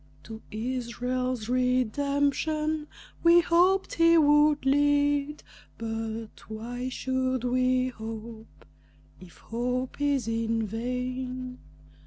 To Israel's redemption we hoped he would lead, But why should we hope if hope is in vain?